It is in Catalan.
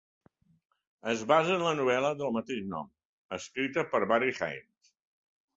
Es basa en la novel·la del mateix nom, escrita per Barry Hines.